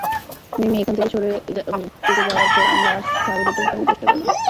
মিমি, এখান থেকে যাওয়ার পর আমরা আর সারোগেটের জন্য চেষ্টা করিনি।